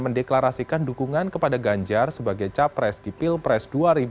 mendeklarasikan dukungan kepada ganjar sebagai capres di pilpres dua ribu dua puluh